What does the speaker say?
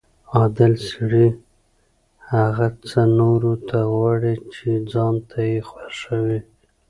عادل سړی هغه څه نورو ته غواړي چې ځان ته یې خوښوي.